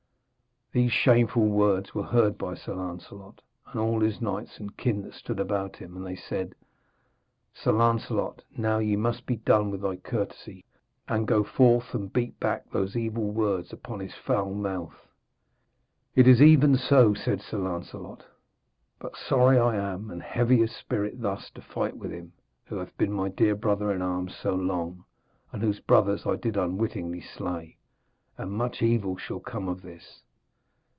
These shameful words were heard by Sir Lancelot, and all his knights and kin that stood about him, and they said: 'Sir Lancelot, now ye must be done with thy courtesy and go forth and beat back those evil words upon his foul mouth.' 'It is even so,' said Sir Lancelot; 'but sorry I am and heavy of spirit thus to fight with him, who hath been my dear brother in arms so long, and whose brothers I did unwittingly slay. And much evil shall come of this.'